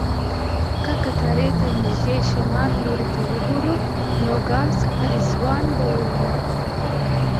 که کټارې ته نږدې شمال لور ته وګورو، نوګالس اریزونا به وینو.